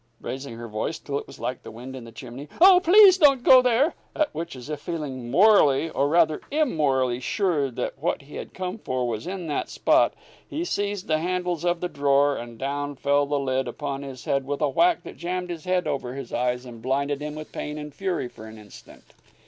raising her voice till it was like the wind in the chimney. "Oh, please don't go there!" At which, as if feeling morally, or rather immorally, sure that what he had come for was in that spot, he seized the handles of the drawer, and down fell the lid upon his head with a whack that jammed his hat over his eyes and blinded him with pain and fury for an instant.